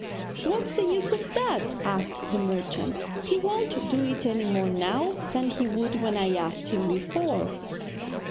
"' 'What's the use of that?' asked the merchant. 'He won't do it any more now than he would when I asked him before.'